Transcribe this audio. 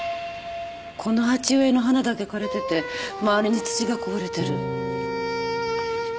この鉢植えの花だけ枯れてて周りに土がこぼれてる。